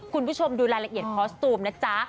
คุณผู้ชมดูรายละเอียดคอสตูมนะจ๊ะ